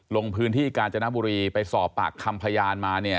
ลงพื้นที่กาญจนบุรีไปสอบปากคำพยานมาเนี่ย